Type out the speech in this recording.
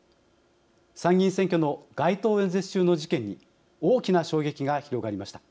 参議院選挙の街頭演説中の事件に大きな衝撃が広がりました。